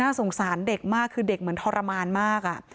สงสารเด็กมากคือเด็กเหมือนทรมานมาก